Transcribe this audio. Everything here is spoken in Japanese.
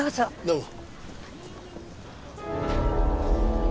どうも。